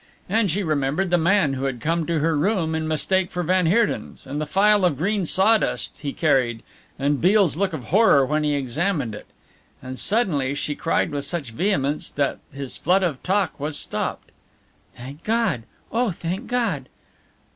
And she remembered the man who had come to her room in mistake for van Heerden's and the phial of green sawdust he carried and Beale's look of horror when he examined it. And suddenly she cried with such vehemence that his flood of talk was stopped: "Thank God! Oh, thank God!"